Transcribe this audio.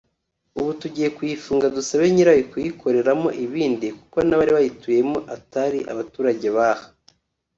ubu tugiye kuyifunga dusabe nyirayo kuyikoreramo ibindi kuko n’abari bayituyemo atari abaturage b’aha”